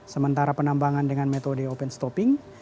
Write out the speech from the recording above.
sementara penambangan dengan metode open stopping